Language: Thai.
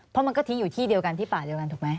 เพราะมันก็ทิ้งอยู่ที่เดียวกันที่ป่าเดียวกันถูกไหม